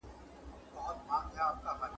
ته د ژوند له تنهایی څخه ډارېږې ,